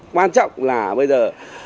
quan trọng là bây giờ